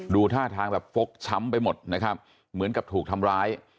ท่าทางแบบฟกช้ำไปหมดนะครับเหมือนกับถูกทำร้าย